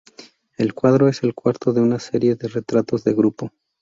El cuadro es el cuarto de una serie de retratos de grupo.